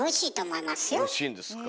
おいしいんですか。